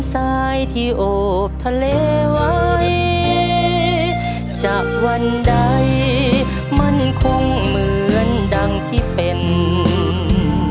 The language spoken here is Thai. จะมีเพียงฉันใจไม่ไหวเอง